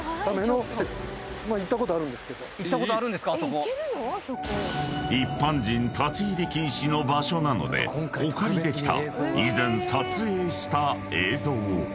行ったことあるんですか⁉［一般人立ち入り禁止の場所なのでお借りできた以前撮影した映像を］